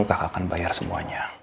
kakak akan bayar semuanya